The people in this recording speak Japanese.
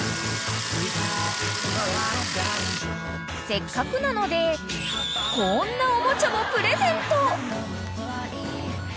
［せっかくなのでこんなおもちゃもプレゼント］